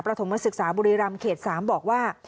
ถมศึกษาบุรีรำเขต๓บอกว่า